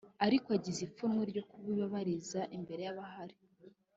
ariko agize ipfunwe ryo kubibariza imbere y’abahari.